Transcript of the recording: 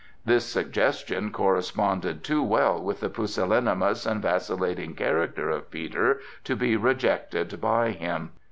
This suggestion corresponded too well with the pusillanimous and vacillating character of Peter to be rejected by him.